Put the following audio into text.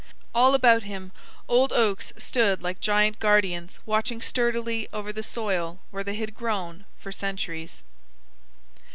All about him old oaks stood like giant guardians watching sturdily over the soil where they had grown for centuries.